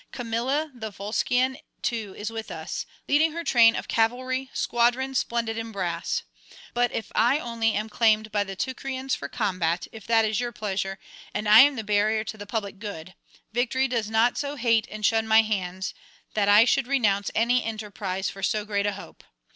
Camilla the Volscian too is with us, leading her train of cavalry, squadrons splendid in brass. But if I only am claimed by the Teucrians for combat, if that is your pleasure, and I am the barrier to the public good, Victory does not so hate and shun my hands that I should renounce any enterprise for so great a hope.